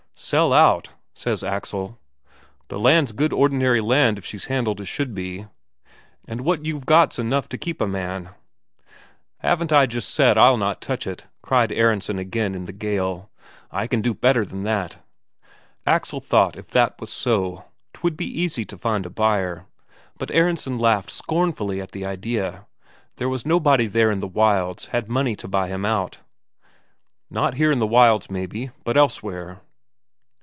"Sell out?" says Axel. "The land's good ordinary land if she's handled as should be and what you've got's enough to keep a man." "Haven't I just said I'll not touch it?" cried Aronsen again in the gale. "I can do better than that!" Axel thought if that was so, 'twould be easy to find a buyer; but Aronsen laughed scornfully at the idea there was nobody there in the wilds had money to buy him out. "Not here in the wilds, maybe, but elsewhere."